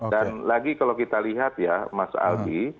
dan lagi kalau kita lihat ya mas aldi